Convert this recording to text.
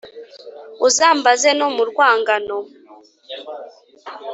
uzambaze no mu rwangano,